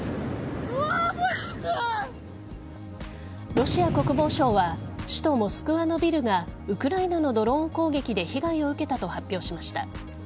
ロシア国防省は首都・モスクワのビルがウクライナのドローン攻撃で被害を受けたと発表しました。